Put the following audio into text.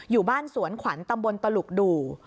อยู่บ้านสวนขวัญตำบลตลุกดู